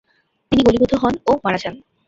তিনি গুলিবিদ্ধ হন ও মারা যান।